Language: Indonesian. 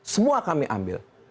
semua kami ambil